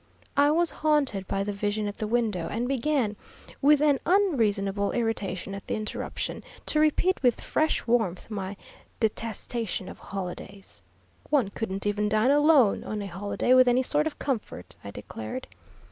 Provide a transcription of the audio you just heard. I was haunted by the vision at the window, and began, with an unreasonable irritation at the interruption, to repeat with fresh warmth my detestation of holidays. One couldn't even dine alone on a holiday with any sort of comfort, I declared.